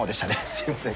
すいません。